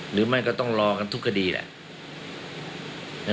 หรือไม่ก็ต้องรอกันทุกคดีแหละ